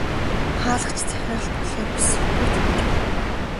Хаалгач захирал болохыг хүсэхгүй ч байж болно.